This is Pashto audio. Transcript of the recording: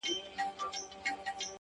o لوی څښتن مي دی د رزق پوروړی,